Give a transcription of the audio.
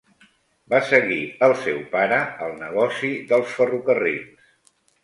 Va seguir el seu pare al negoci dels ferrocarrils.